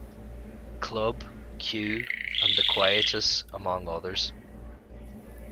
Club", "Q" and "The Quietus", among others.